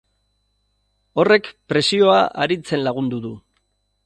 Horrek presioa arintzen lagundu du.